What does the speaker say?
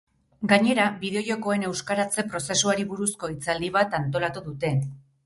Gainera, bideo-jokoen euskaratze prozesuari buruzko hitzaldi bat antolatu dute.